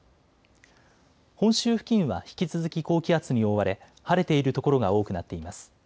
本州付近は引き続き高気圧に覆われ晴れている所が多くなっています。